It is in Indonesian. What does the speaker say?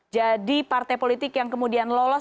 jadi partai politik yang kemudian lolos